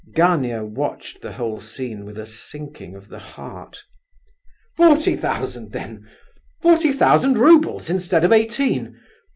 Gania watched the whole scene with a sinking of the heart. "Forty thousand, then—forty thousand roubles instead of eighteen!